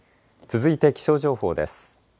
続いて気象情報です。